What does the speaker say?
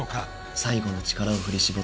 最後の力を振り絞って。